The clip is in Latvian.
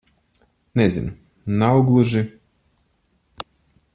Nezinu. Nav gluži...